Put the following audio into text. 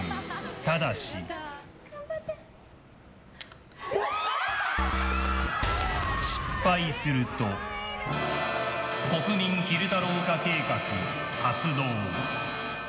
ただし、失敗すると国民昼太郎化計画、発動。